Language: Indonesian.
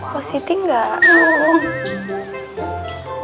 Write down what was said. kok siti enggak